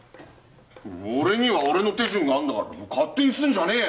俺には俺の手順があんだから勝手にすんじゃねえよ！